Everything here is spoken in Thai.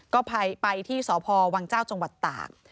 ก็ไปที่สพวังเจ้าจังหวัดตาก